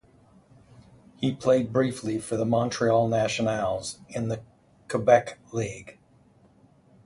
He played briefly for the Montreal Nationales in the Quebec league.